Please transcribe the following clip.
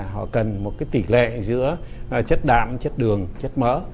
họ cần một tỷ lệ giữa chất đạm chất đường chất mỡ